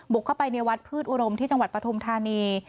เข้าไปในวัดพืชอุดมที่จังหวัดปฐุมธานี